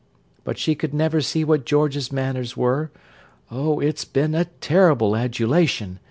But she could never see what George's manners were—oh, it's been a terrible adulation!...